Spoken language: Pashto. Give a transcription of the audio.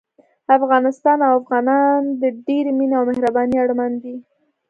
افغانستان او افغانان د ډېرې مينې او مهربانۍ اړمن دي